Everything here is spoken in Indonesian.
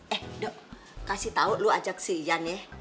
eh dok kasih tau lu ajak si ian ya